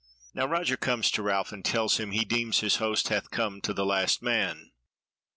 Now Roger comes to Ralph and tells him that he deems his host hath come to the last man.